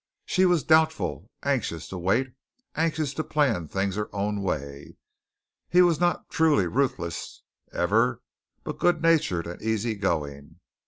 She was doubtful, anxious to wait, anxious to plan things her own way. He was not truly ruthless ever, but good natured and easy going.